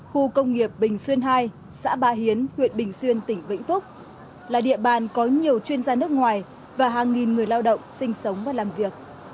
khu công nghiệp bình xuyên hai xã ba hiến huyện bình xuyên tỉnh vĩnh phúc là địa bàn có nhiều chuyên gia nước ngoài và hàng nghìn người lao động sinh sống và làm việc